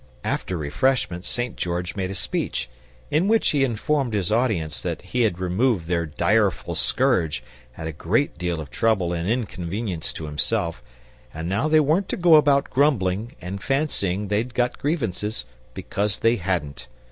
After refreshment St. George made a speech, in which he informed his audience that he had removed their direful scourge, at a great deal of trouble and inconvenience to him self, and now they weren't to go about grumbling and fancying they'd got grievances, because they hadn't.